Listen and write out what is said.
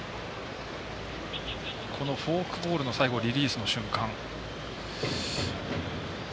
このフォークボールのリリースの瞬間。